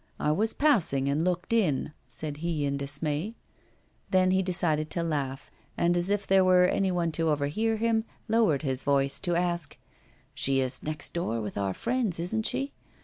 I was passing and looked in,' said he in dismay. Then he decided to laugh, and, as if there were any one to overhear him, lowered his voice to ask: 'She is next door with our friends, isn't she?